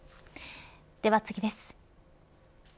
では次です。